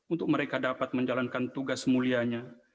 untuk mereka dapat menjalankan tugas mulianya